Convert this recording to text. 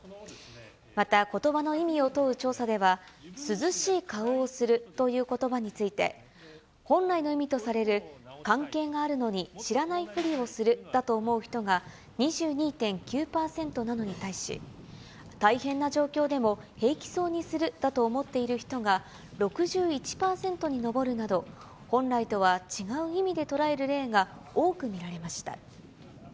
また、ことばの意味を問う調査では、涼しい顔をするということばについて、本来の意味とされる関係があるのに知らないふりをするだと思う人が２２．９％なのに対し、大変な状況でも、平気そうにするだと思っている人が６１％に上るなど、本来とは違う意味で捉える例が多く見られました。